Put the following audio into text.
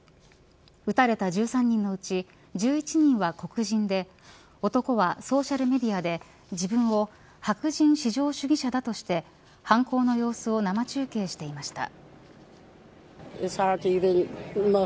撃たれた１３人のうち１１人は黒人で男はソーシャルメディアで自分を白人至上主義者だとして犯行の様子を生中継していました。